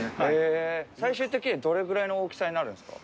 最終的にはどれぐらいの大きさになるんですか？